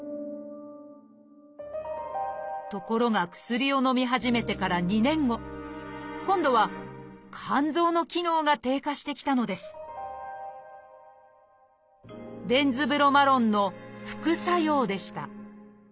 ところが薬をのみ始めてから２年後今度は肝臓の機能が低下してきたのです「ベンズブロマロン」の副作用でした。